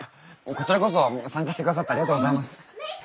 こちらこそ参加して下さってありがとうございます。